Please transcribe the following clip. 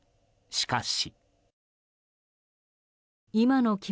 しかし。